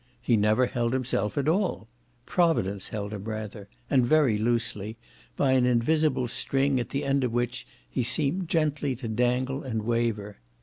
He never held himself at all; providence held him rather and very loosely by an invisible string at the end of which he seemed gently to dangle and waver.